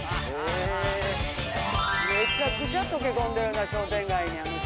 めちゃくちゃ溶け込んでるな商店街にあの人。